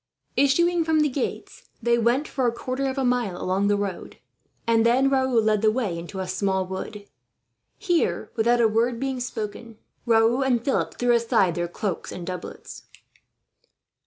Issuing from the gates, they went for a quarter of a mile along the road, and then Raoul led the way into a small wood. Here, without a word being spoken, Raoul and Philip threw aside their cloaks and doublets.